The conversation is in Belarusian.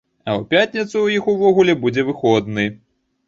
А ў пятніцу ў іх увогуле будзе выходны.